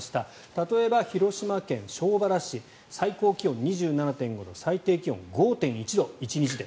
例えば広島県庄原市最高気温２７．５度最低気温５．１度、１日で。